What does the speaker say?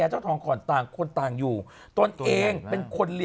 เหรอผมต้องอยู่ซิ